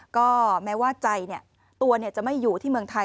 ก็แม้ว่าใจตัวจะไม่อยู่ที่เมืองไทย